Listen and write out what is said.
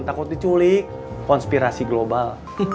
takut diculik konspirasi global